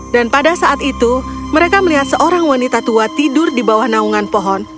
dan pada saat itu mereka melihat seorang wanita tua tidur di bawah naungan pohon